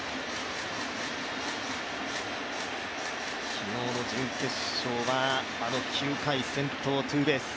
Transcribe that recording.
昨日の準決勝はあの９回、先頭ツーベース。